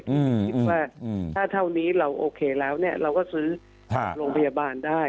คิดว่าถ้าเท่านี้เราโอเคแล้วเนี่ยเราก็ซื้อโรงพยาบาลได้